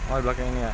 oh di belakang ini ya